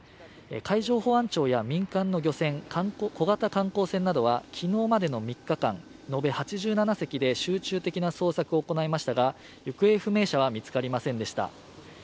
海上保安庁や民間の漁船、小型観光船などは昨日までに３日間延べ８７隻で集中的な捜索を行いましたが行方不明者は見つかりませんでした。